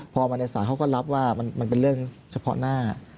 พอมาในศาลเขาก็รับว่ามันเป็นเรื่องเฉพาะหน้า